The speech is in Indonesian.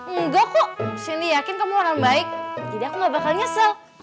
enggak kok shane yakin kamu orang baik jadi aku gak bakal nyesel